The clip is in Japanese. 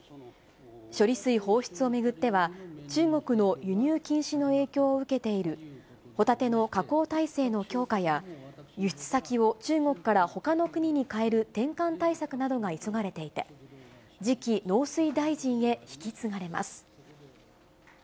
処理水放出を巡っては、中国の輸入禁止の影響を受けているホタテの加工体制の強化や、輸出先を中国からほかの国に変える転換対策などが急がれていて、次期農水大臣へ引き継がれます。